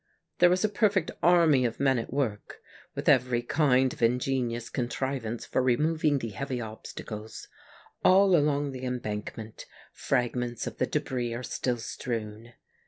There was a perfect army of men at work, with evei'y kind of ingenious contrivance for removing the heavy obstacles. All along the embankment frag ments of the debris are still strewn.